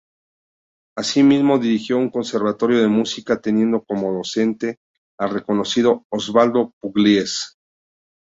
Así mismo, dirigió un conservatorio de música, teniendo como docente al reconocido Osvaldo Pugliese.